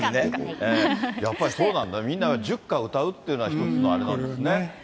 やっぱりそうなんだ、みんな塾歌を歌うっていうのが一つのあれなんですね。